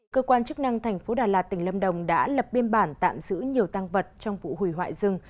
cơ quan chức năng thành phố đà lạt tỉnh lâm đồng đã lập biên bản tạm giữ nhiều tăng vật trong vụ hủy hoại rừng